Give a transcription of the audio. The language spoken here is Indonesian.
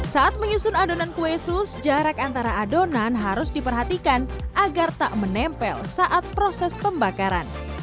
saat menyusun adonan kue sus jarak antara adonan harus diperhatikan agar tak menempel saat proses pembakaran